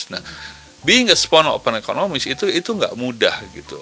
nah being a small open economy itu itu nggak mudah gitu